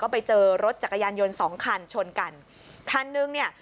ไปเจอรถจักรยานยนต์สองคันชนกันคันนึงเนี่ย